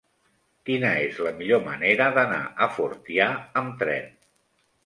Quina és la millor manera d'anar a Fortià amb tren?